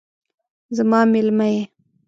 زما میلمه یې